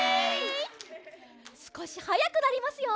すこしはやくなりますよ。